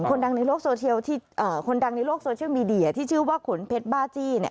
ดังในโลกโซเชียลที่คนดังในโลกโซเชียลมีเดียที่ชื่อว่าขุนเพชรบ้าจี้เนี่ย